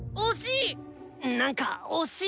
惜しい！